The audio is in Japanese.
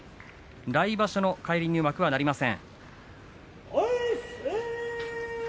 来場所の返り入幕はなりません。